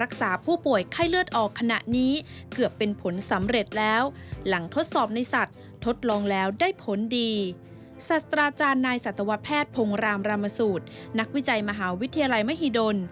อัศวะแพทย์พงรามรามสูตรนักวิจัยมหาวิทยาลัยมหิดล